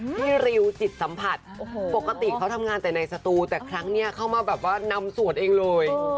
ริวจิตสัมผัสปกติเขาทำงานแต่ในสตูแต่ครั้งนี้เข้ามาแบบว่านำสวดเองเลย